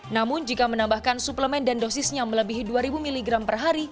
namun jika menambahkan suplemen dan dosisnya melebihi dua ribu mg per hari